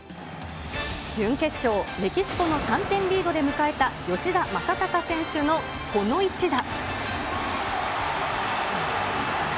準決勝、メキシコの３点リードで迎えた吉田正尚選手のこの一打。